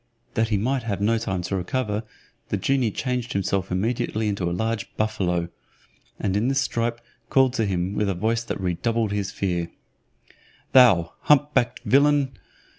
That he might have no time to recover, the genie changed himself immediately into a large buffalo, and in this stripe called to him, with a voice that redoubled his fear, "Thou hump backed villain!"